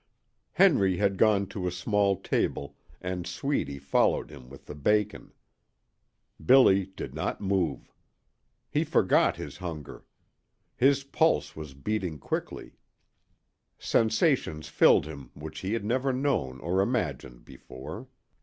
Henry had gone to a small table, and Sweedy followed him with the bacon. Billy did not move. He forgot his hunger. His pulse was beating quickly. Sensations filled him which he had never known or imagined before.